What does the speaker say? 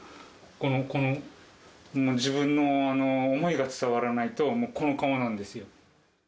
この自分の思いが伝わらないと、この顔なんですよ。